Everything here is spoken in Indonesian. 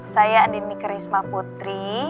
saya andini kerisma putri